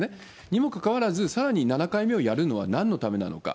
にもかかわらず、さらに７回目をやるのはなんのためなのか。